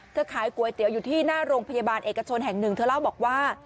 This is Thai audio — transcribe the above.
ขายก๋วยเตี๋ยวอยู่ที่หน้าโรงพยาบาลเอกชนแห่งหนึ่งเธอเล่าบอกว่า